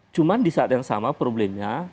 cuma di saat yang sama problemnya